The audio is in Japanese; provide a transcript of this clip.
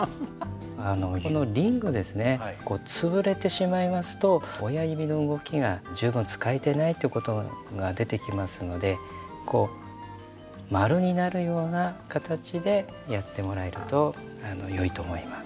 リングですね潰れてしまいますと親指の動きが十分使えてないということが出てきますので円になるような形でやってもらえると良いと思います。